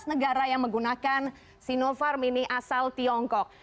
sebelas negara yang menggunakan sinopharm ini asal tiongkok